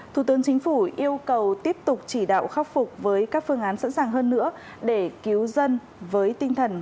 thủ tướng chính phủ yêu cầu tiếp tục chỉ đạo khắc phục với các phương án sẵn sàng hơn nữa để cứu dân với tinh thần